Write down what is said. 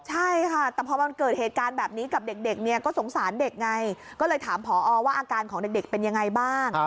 ใช่ค่ะแต่พอมันเกิดเหตุการณ์แบบนี้กับเด็กเนี่ยก็สงสารเด็กไงก็เลยถามผอว่าอาการของเด็กเป็นยังไงบ้าง